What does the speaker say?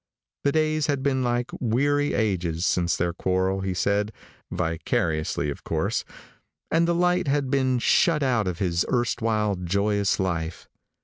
The days had been like weary ages since their quarrel, he said vicariously, of course and the light had been shut out of his erstwhile joyous life.